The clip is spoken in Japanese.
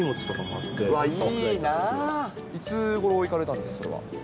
いつごろ行かれたんですか、それは。